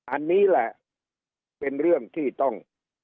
อันนี้แหละเป็นเรื่องที่ต้อง